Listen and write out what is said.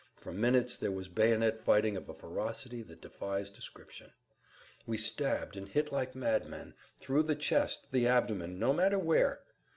For minutes there was bayonet fighting of a ferocity that defies description. We stabbed and hit like madmen—through the chest, the abdomen, no matter where.